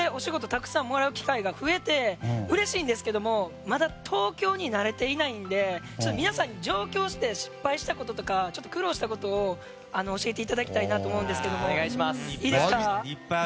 たくさんもらう機会が増えてうれしいんですけどまだ、東京に慣れていないので皆さんに上京して失敗したこととか苦労したことを教えていただきたいなと思うんですけど、いいですか？